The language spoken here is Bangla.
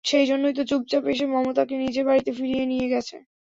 সেই জন্যই তো চুপচাপ এসে মমতা কে নিজের বাড়িতে ফিরিয়ে নিয়ে গেছে।